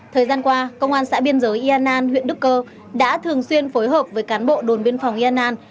thời gian qua công an xã biên giới yên an huyện đức cơ đã thường xuyên phối hợp với cán bộ đồn biên phòng yên an